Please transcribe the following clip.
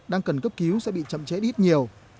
đang cần cấp cứu sẽ bị chậm trễ ít nhiều